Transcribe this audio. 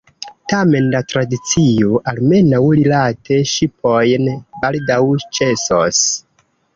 Tamen la tradicio, almenaŭ rilate ŝipojn, baldaŭ ĉesos.